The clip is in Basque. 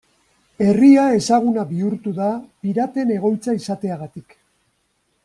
Herria ezaguna bihurtu da piraten egoitza izateagatik.